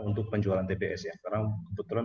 untuk penjualan tps ya karena kebetulan